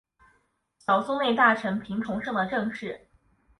小松内大臣平重盛的正室。